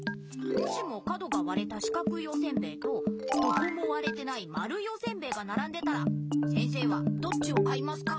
もしも角がわれたしかくいおせんべいとどこもわれてないまるいおせんべいがならんでたら先生はどっちを買いますか？